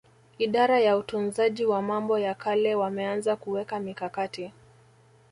Idara ya Utunzaji wa Mambo ya Kale wameanza kuweka mikakati